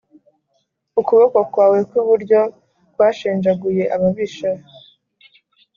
Ukuboko kwawe kw’iburyo kwashenjaguye ababisha